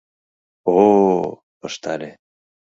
— О-о-о! — ыштале.